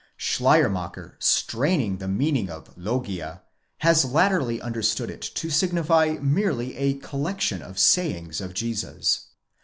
Schleiermacher, straining the meaning of λόγια, has latterly understood it to signify merely a collection of the sayings of Jesus.